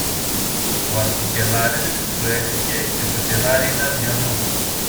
ο αρχικελάρης σου έφυγε και το κελάρι είναι αδειανό.